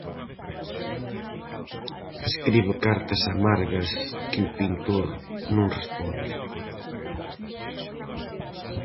Escribe cartas amargas que o pintor non responde.